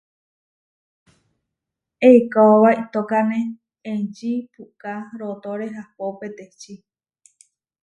Eikaóba iʼtókane encči puʼká rootóre ahpó peteči.